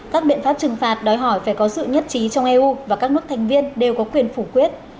các biện pháp trừng phạt đòi hỏi phải có sự nhất trí trong eu và các nước thành viên đều có quyền phủ quyết